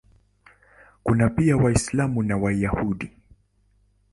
Kuna pia Waislamu na Wayahudi.